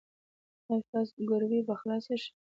ایا ستاسو ګروي به خلاصه شي؟